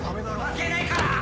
負けねえから！